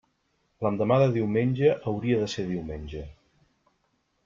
L'endemà de diumenge hauria de ser diumenge.